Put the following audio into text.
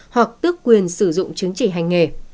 hoặc tước quyền sử dụng chấn chỉ hành nghề